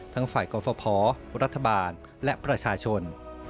ฝ่ายกรฟภรัฐบาลและประชาชน